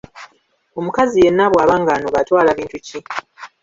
Omukazi yenna bw’aba ng’anoba atwala bintu ki?